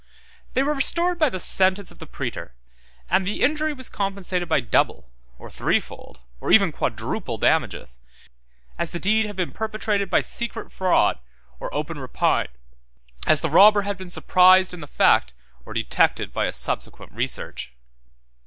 They were restored by the sentence of the praetor, and the injury was compensated by double, or threefold, or even quadruple damages, as the deed had been perpetrated by secret fraud or open rapine, as the robber had been surprised in the fact, or detected by a subsequent research.